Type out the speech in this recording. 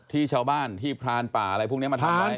ที่ชาวบ้านที่พรานป่าอะไรพวกนี้มาทำไว้